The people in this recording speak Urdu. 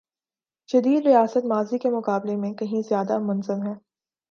جدید ریاست ماضی کے مقابلے میں کہیں زیادہ منظم ہے۔